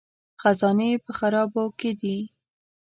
خزانې په خرابو کې دي